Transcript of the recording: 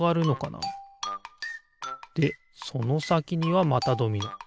でそのさきにはまたドミノ。